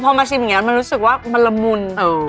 พอมาชิมเนี้ยมันรู้สึกว่ามันลมุนอยู่